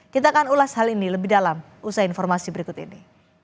kita akan ulas hal ini lebih dalam usai informasi berikut ini